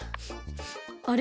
あれ？